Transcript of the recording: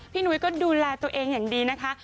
ผู้ชมนี้ก็ดูลาตัวเองอย่างดีนะคะ